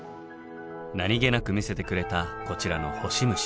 何気なく見せてくれたこちらのホシムシ。